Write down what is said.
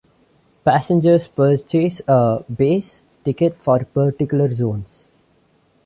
Passengers purchase a base ticket for particular zones.